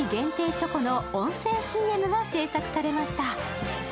チョコの音声ＣＭが制作されました。